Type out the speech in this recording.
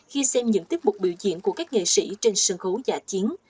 khi xem những tiết mục biểu diễn của các nghệ sĩ trên sân khấu giả chiến